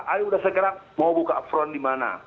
ayuh udah sekarang mau buka upfront di mana